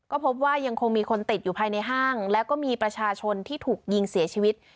ก็พบว่ายังคงมีคนติดอยู่ภายในห้างแล้วก็มีประชาชนที่ถูกยิงเสียชีวิต